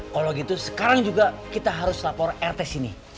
kalau gitu sekarang juga kita harus lapor rt sini